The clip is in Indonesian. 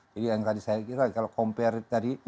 jadi yang tadi saya kira kalau compare tadi